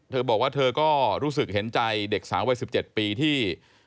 เธอบอกว่าเธอก็รู้สึกเห็นใจเด็กสาววัย๑๗ปีที่